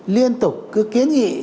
liên tục cứ kiến nghị